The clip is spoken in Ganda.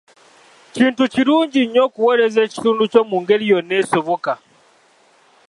Kintu kirungi nnyo okuweereza ekitundu kyo mu ngeri yonna esoboka.